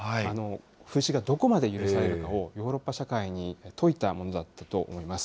風刺がどこまで許されるかをヨーロッパ社会にといたものだったと思います。